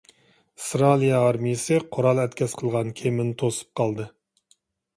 ئىسرائىلىيە ئارمىيەسى قورال ئەتكەس قىلغان كېمىنى توسۇپ قالدى.